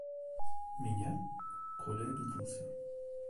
– Меня? – Коля обиделся.